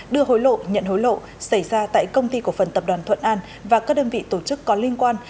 đưa hối lộ nhận hối lộ xảy ra tại công ty cổ phần tập đoàn thuận an và các đơn vị tổ chức có liên quan